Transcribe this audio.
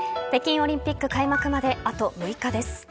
北京オリンピック開幕まであと６日です。